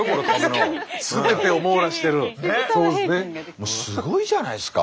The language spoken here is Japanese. もうすごいじゃないですか。